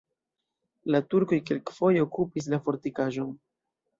La turkoj kelkfoje okupis la fortikaĵon.